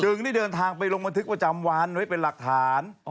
ได้เดินทางไปลงบันทึกประจำวันไว้เป็นหลักฐาน